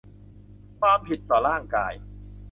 ความผิดต่อร่างกาย